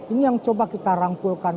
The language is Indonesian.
ini yang coba kita rangkulkan